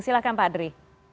silahkan pak adri